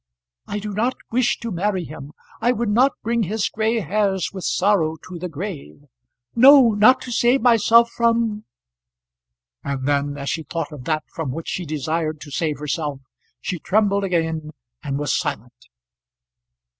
"I do not wish to marry him. I would not bring his gray hairs with sorrow to the grave no, not to save myself from " And then, as she thought of that from which she desired to save herself, she trembled again, and was silent.